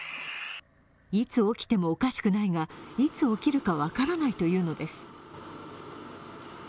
いつ起きてもおかしくないが、いつ起きるか分からないというのです。